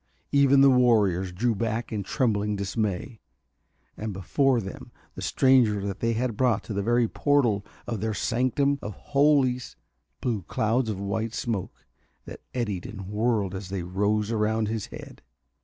Even the warriors drew back in trembling dismay. And before them the stranger they had brought to the very portal of their sanctum of holies blew clouds of white smoke that eddied and whirled as they rose round his head.